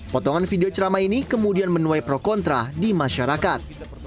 potongan video ceramah ini kemudian menuai pro kontra di masyarakat